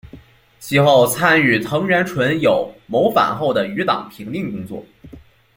其后参与藤原纯友谋反后的余党平定工作。